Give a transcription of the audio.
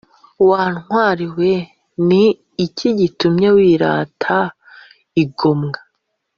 Wa ntwari we ni iki gitumye wirata igomwa